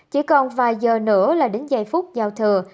chỉ còn vài giờ nữa là đến giây phút giao thừa